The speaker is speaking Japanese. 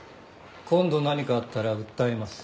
今度何かあったら訴えます。